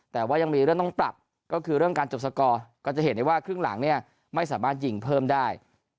แต่ว่ายังมีเรื่องต้องปรับก็คือเรื่องการจบสกอร์ก็จะเห็นได้ว่าครึ่งหลังเนี่ยไม่สามารถยิงเพิ่มได้